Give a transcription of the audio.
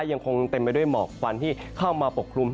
ยังคงเต็มไปด้วยหมอกควันที่เข้ามาปกคลุม